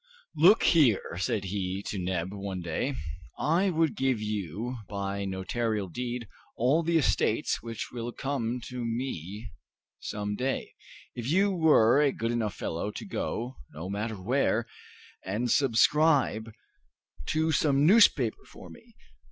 "Look here," said he to Neb one day, "I would give you by notarial deed all the estates which will come to me some day, if you were a good enough fellow to go, no matter where, and subscribe to some newspaper for me!